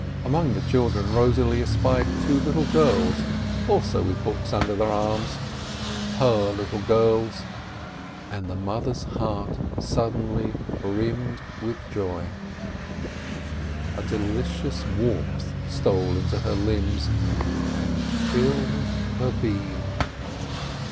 Among the children Rosalie espied two little girls, also with books under their arms, her little girls ! And the mother's heart suddenly brimmed with joy, a delicious warmth stole into her limbs and filled her being.